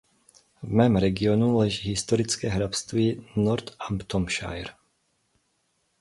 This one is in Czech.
V mém regionu leží historické hrabství Northamptonshire.